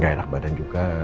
gak enak badan juga